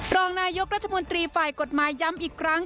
รองนายกรัฐมนตรีฝ่ายกฎหมายย้ำอีกครั้ง